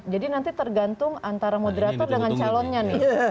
jadi nanti tergantung antara moderator dengan calonnya nih